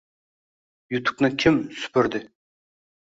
Yutuqni kim supurdi?